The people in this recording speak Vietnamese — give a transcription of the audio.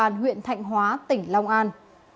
cảnh sát điều tra công an tỉnh long an